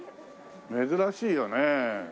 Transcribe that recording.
珍しいよね。